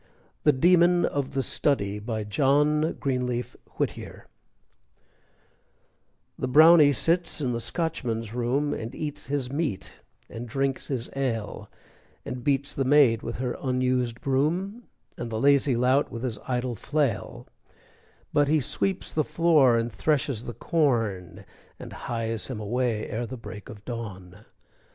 THE DEMON OF THE STUDY BY JOHN GREENLEAF WHITTIER The Brownie sits in the Scotchman's room, And eats his meat and drinks his ale, And beats the maid with her unused broom, And the lazy lout with his idle flail; But he sweeps the floor and threshes the corn, And hies him away ere the break of dawn.